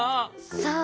さあ。